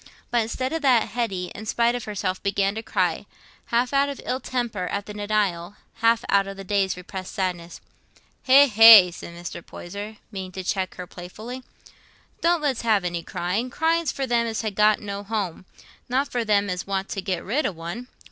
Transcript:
But instead of that, Hetty, in spite of herself, began to cry, half out of ill temper at the denial, half out of the day's repressed sadness. "Hegh, hegh!" said Mr. Poyser, meaning to check her playfully, "don't let's have any crying. Crying's for them as ha' got no home, not for them as want to get rid o' one.